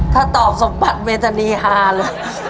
ถ้าตอบสมบัติเวตานีฮาเลย